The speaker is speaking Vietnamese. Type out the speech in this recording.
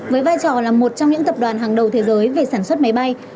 với vai trò là một trong những tập đoàn hàng đầu thế giới về sản xuất máy bay